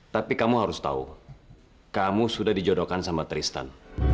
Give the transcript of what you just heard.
tapi kamu harus tahu kamu sudah dijodohkan sama tristan